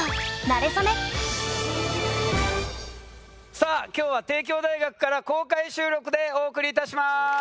さあ今日は帝京大学から公開収録でお送りいたします。